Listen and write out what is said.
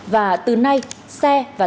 và từ nay xe và